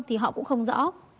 thì họ cũng không rõ